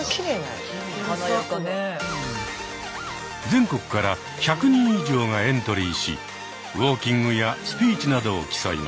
全国から１００人以上がエントリーしウォーキングやスピーチなどを競います。